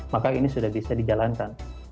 maka ini sudah bisa dijalankan